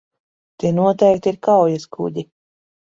Tie noteikti ir kaujaskuģi.